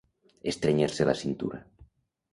Estrènyer-se la cintura.